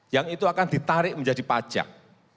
yang itu akan ditarik menjadi pajak